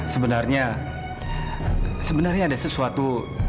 sebenarnya sebenarnya ada sesuatu